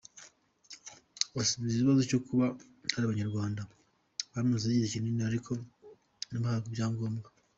Asubiza ikibazo cyo kuba hari Abanyarwanda bamazeyo igihe kinini ariko ntibahabwe ibyangobwa.